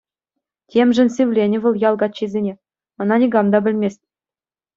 Темшӗн сивленӗ вӑл ял каччисене, ӑна никам та пӗлмест.